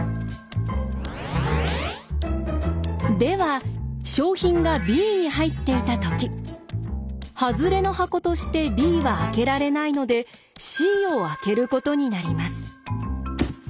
では賞品がＢに入っていたときハズレの箱としてＢは開けられないのでＣを開けることになります。